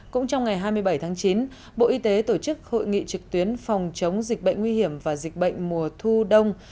cũng trong ngày hai mươi bảy tháng chín bộ y tế tổ chức hội nghị trực tuyến phòng chống dịch bệnh nguy hiểm và dịch bệnh mùa thu đông